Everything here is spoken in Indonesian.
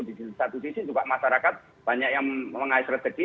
di satu sisi juga masyarakat banyak yang mengais rezeki